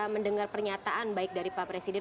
mendengar pernyataan baik dari pak presiden